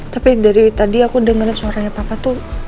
tapi dari tadi aku dengerin suaranya papa tuh